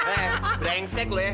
eh brengsek lo ya